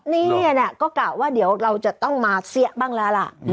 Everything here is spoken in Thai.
นี่ก็กะว่าเดี๋ยวเราจะต้องมาเสี้ยบ้างแล้วล่ะ